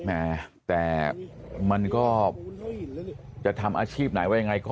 อุ๊ยแต่มันก็จะทำอาชีพไหนไว้ไง